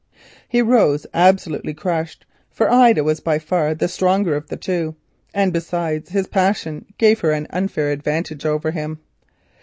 He rose absolutely crushed, for Ida was by far the stronger of the two, and besides, his passion gave her an unfair advantage over him.